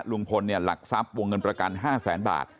ลุงพลหลักทรัพย์วงเงินประกัน๕๐๐๐๐๐บาท